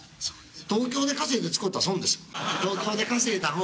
東京で稼いで使ったら損です。